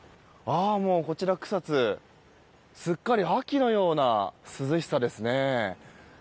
こちら草津すっかり秋のような涼しさですね。